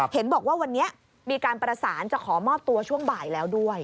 เห็นบอกว่าวันนี้มีการประสานจะขอมอบตัวช่วงบ่ายแล้วด้วย